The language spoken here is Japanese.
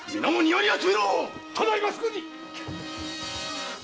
ただいますぐに！